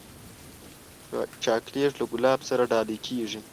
چاکلېټ له ګلاب سره ډالۍ کېږي.